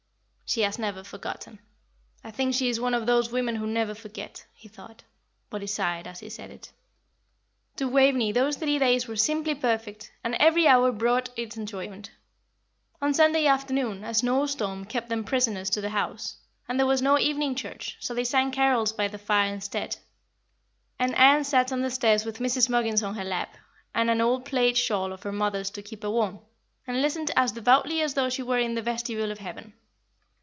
"She has never forgotten. I think she is one of those women who never forget," he thought; but he sighed as he said it. To Waveney those three days were simply perfect, and every hour brought its enjoyment. On Sunday afternoon a snowstorm kept them prisoners to the house, and there was no evening church, so they sang carols by the fire instead, and Ann sat on the stairs with Mrs. Muggins on her lap, and an old plaid shawl of her mother's to keep her warm, and listened as devoutly as though she were in the vestibule of heaven.